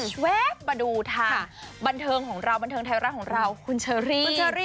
ซึ่งมาดูทางบันเทิงไทร์ระของเราคุณเชอรี่